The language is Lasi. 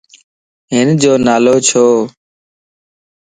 ھنَ جو نالو ڇو؟